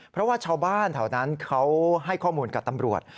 เพราะว่าชาวบ้านแถวนั้นเขาให้ข้อมูลกับตำรวจ